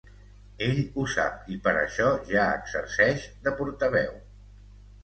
Ell ho sap i per això ja exerceix de portaveu.